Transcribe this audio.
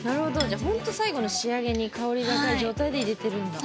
じゃほんと最後の仕上げに香りが出た状態で入れてるんだ。